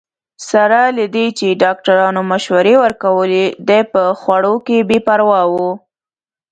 سره له دې چې ډاکټرانو مشورې ورکولې، دی په خوړو کې بې پروا وو.